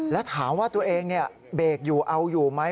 แล้วถามว่าตัวเองเบรกอยู่เอาอยู่ไหม